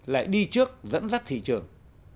lại đi trước dẫn dắt thị trường